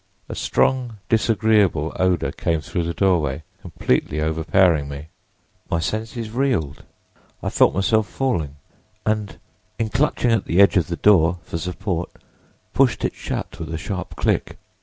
A strong disagreeable odor came through the doorway, completely overpowering me. My senses reeled; I felt myself falling, and in clutching at the edge of the door for support pushed it shut with a sharp click!